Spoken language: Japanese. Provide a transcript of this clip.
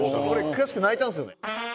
俺悔しくて泣いたんですよね。